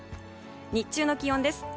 日中の気温です。